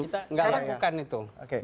kita nggak lakukan itu